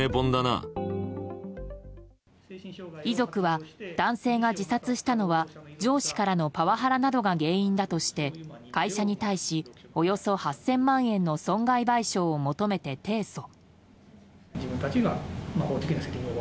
遺族は、男性が自殺したのは上司からのパワハラなどが原因だとして会社に対しおよそ８０００万円の損害賠償を求めて提訴。